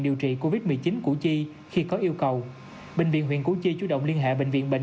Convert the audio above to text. điều trị covid một mươi chín củ chi khi có yêu cầu bệnh viện huyện củ chi chú động liên hệ bệnh viện bệnh